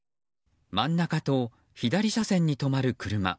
真ん中と左車線に止まる車。